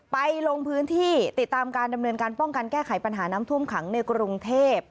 ลงพื้นที่ติดตามการดำเนินการป้องกันแก้ไขปัญหาน้ำท่วมขังในกรุงเทพ